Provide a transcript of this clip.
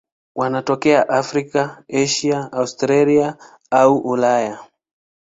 Wanatokea Afrika, Asia, Australia na Ulaya.